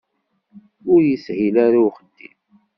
Ur ishil ara i uxeddim.